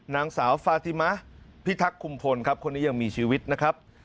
นางสาวฟาธิมะพิทักษ์คุมพลครับคนนี้ยังมีชีวิตนะครับ